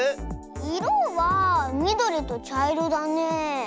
いろはみどりとちゃいろだねえ。